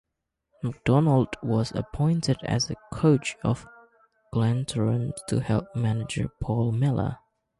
McDonald was appointed as coach of Glentoran to help manager Paul Millar.